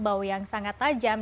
bau yang sangat tajam